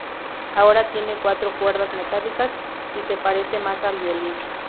Ahora tiene cuatro cuerdas metálicas y se parece más al violín.